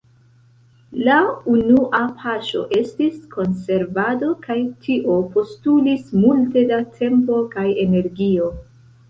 La unua paŝo estis konservado, kaj tio postulis multe da tempo kaj energio.